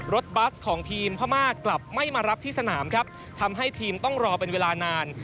บัสของทีมพม่ากลับไม่มารับที่สนามครับทำให้ทีมต้องรอเป็นเวลานาน